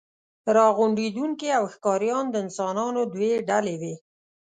راغونډوونکي او ښکاریان د انسانانو دوې ډلې وې.